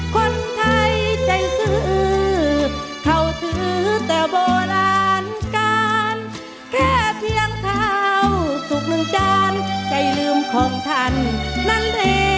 คนไทยใจซื้อเขาถือแต่โบราณการแค่เพียงเท้าสุกหนึ่งจานใจลืมของท่านนั่นเอง